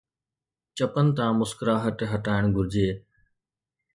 چپن تان مسڪراهٽ هٽائڻ گهرجي